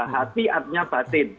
hati artinya batin